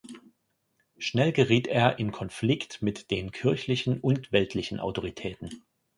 Schnell geriet er in Konflikt mit den kirchlichen und weltlichen Autoritäten.